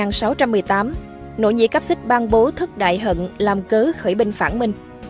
năm một nghìn sáu trăm một mươi tám nội nhị cáp xích ban bố thất đại hận làm cớ khởi binh phản minh